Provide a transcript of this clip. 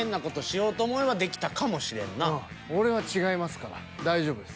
確かにな俺は違いますから大丈夫です。